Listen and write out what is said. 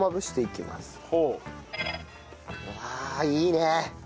うわあいいね！